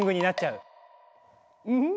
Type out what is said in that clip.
うん？